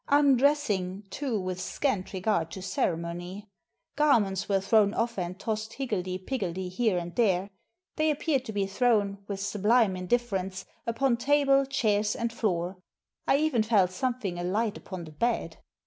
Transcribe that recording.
Undressing, too, with scant regard to ceremony. Garments were thrown off and tossed higgledy piggledy here and there. They appeared to be tiirown, with sublime indifference, upon table, chairs, and floor. I even felt something alight upon the bed.